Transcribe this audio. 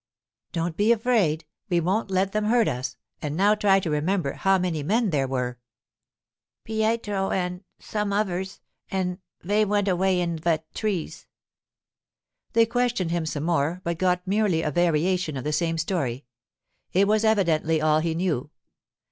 'Don't be afraid. We won't let them hurt us. And now try to remember how many men there were.' 'Pietro an'—some uvers, an' vey went away in ve trees.' They questioned him some more, but got merely a variation of the same story; it was evidently all he knew.